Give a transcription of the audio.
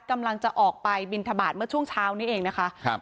กำลังจะออกไปบินทบาทเมื่อช่วงเช้านี้เองนะคะครับ